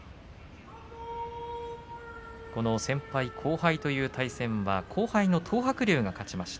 この先輩後輩という対戦は後輩の東白龍が勝ちました。